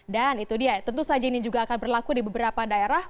dan itu dia tentu saja ini juga akan berlaku di beberapa daerah